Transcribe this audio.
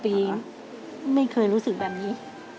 ปีไม่เคยรู้สึกแบบนี้